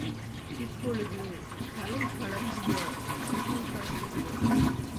இப்பொழுது கலைக் களஞ்சியக் கூட்டாசிரியர்.